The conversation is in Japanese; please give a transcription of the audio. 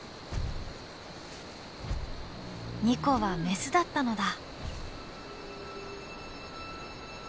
ニコはメスだったのだ。